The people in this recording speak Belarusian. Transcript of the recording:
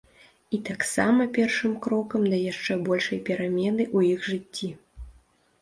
І таксама першым крокам да яшчэ большай перамены ў іх жыцці.